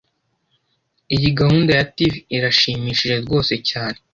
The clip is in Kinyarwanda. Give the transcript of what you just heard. Iyi gahunda ya TV irashimishije rwose cyane